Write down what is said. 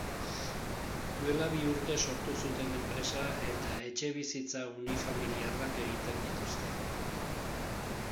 Duela bi urte sortu zuten enpresa eta etxebizitza unifamiliarrak egiten dituzte.